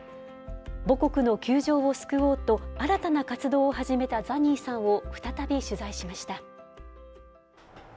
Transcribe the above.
母国の窮状を救おうと、新たな活動を始めたザニーさんを再び取材しました。